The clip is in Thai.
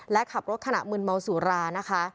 และขับรถขณะมืนเมาสุรานะคะ